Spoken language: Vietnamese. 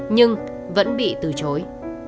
nhưng vẫn bị từ chối